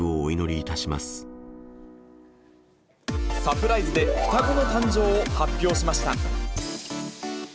サプライズで双子の誕生を発表しました。